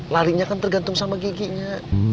larinya kan tergantung sama giginya